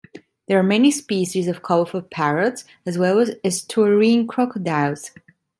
There are many species of colourful parrots as well as estuarine crocodiles.